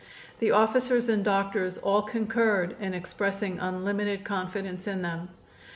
The officers and doctors all concurred in expressing unlimited confidence in them.